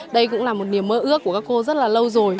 đây cũng là một niềm mơ ước của các cô rất là lâu rồi